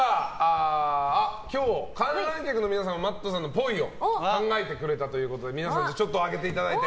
今日、観覧席の皆さんもＭａｔｔさんのっぽいを考えてくれたということで上げていただいて。